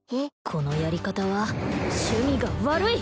このやり方は趣味が悪い！